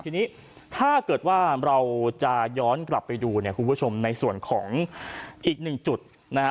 ทีนี้ถ้าเกิดว่าเราจะย้อนกลับไปดูเนี่ยคุณผู้ชมในส่วนของอีกหนึ่งจุดนะฮะ